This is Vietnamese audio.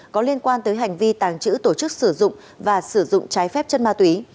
có liên quan tới hành vi tàng trữ tổ chức sử dụng và sử dụng trái phép chất ma túy